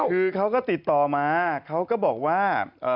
คือเขาก็ติดต่อมาเขาก็บอกว่า